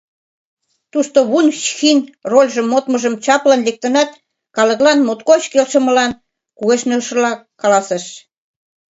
Тушто Вун-Чхин рольжым модмыжо чаплын лектынат, калыклан моткоч келшымылан кугешнышылак каласыш.